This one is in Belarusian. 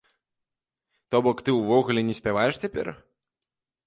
То бок ты ўвогуле не спяваеш цяпер?